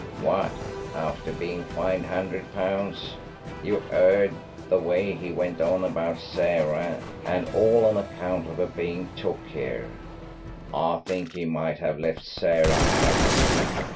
"What, after being fined £100? You 'eard the way he went on about Sarah, and all on account of her being took here. I think he might have left Sarah out."